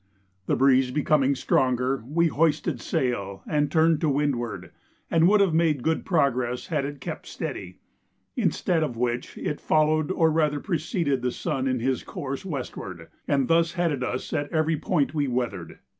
The breeze becoming stronger, we hoisted sail and turned to windward, and would have made good progress had it kept steady; instead of which it followed or rather preceded the sun in his course westward, and thus headed us at every point we weathered.